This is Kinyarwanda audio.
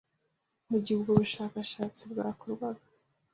mu gihe ubwo bushakashatsi bwakorwaga.